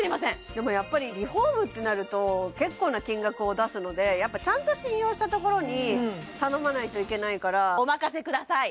でもやっぱりリフォームってなると結構な金額を出すのでやっぱちゃんと信用したところに頼まないといけないからお任せください